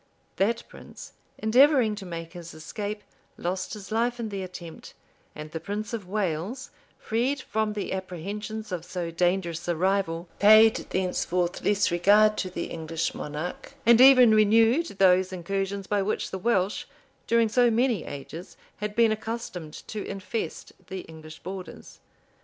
That prince, endeavoring to make his escape, lost his life in the attempt; and the prince of Wales, freed from the apprehensions of so dangerous a rival, paid thenceforth less regard to the English monarch, and even renewed those incursions by which the Welsh, during so many ages, had been accustomed to infest the English borders.